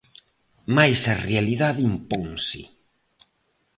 Mais a realidade imponse.